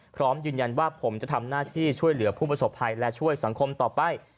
พร้อมยืนยันว่าผมจะทำหน้าที่ช่วยเหลือผู้ประสบภัยและช่วยสังคมต่อไป